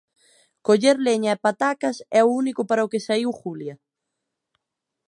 Coller leña e patacas, é o único para o que saíu Julia.